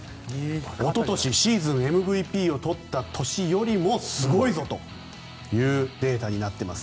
おととし、シーズンＭＶＰをとった年よりすごいぞというデータになっています。